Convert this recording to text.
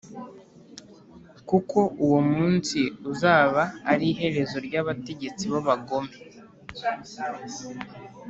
Kuko uwo munsi uzaba ari iherezo ry’abategetsi b’abagome,